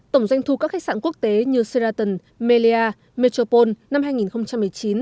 tổng doanh thu các khách sạn quốc tế như seraton melia metropole năm hai nghìn một mươi chín